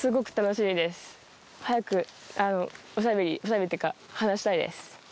早くおしゃべりおしゃべりっていうか話したいです。